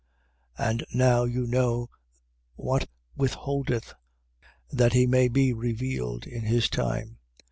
2:6. And now you know what withholdeth, that he may be revealed in his time.